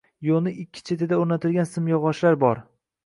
Yo‘lning ikki chetida o‘rnatilgan simyog‘ochlar bor.